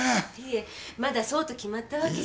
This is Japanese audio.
いえまだそうと決まったわけじゃ。